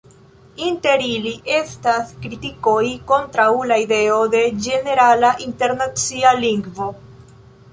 Inter ili, estas kritikoj kontraŭ la ideo de ĝenerala internacia lingvo.